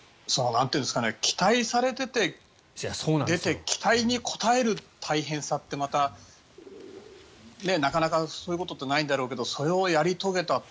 期待されてて出て期待に応える大変さってまた、なかなかそういうことってないんだろうけどそれをやり遂げたと。